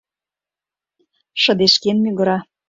Шыдешкен мӱгыра.